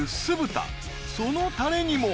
［そのたれにも］